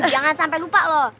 jangan sampai lupa loh